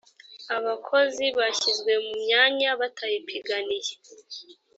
abakozi bashyizwe mu myanya batayipiganiye.